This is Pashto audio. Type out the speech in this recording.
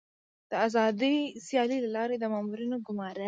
د آزادې سیالۍ له لارې د مامورینو ګمارل.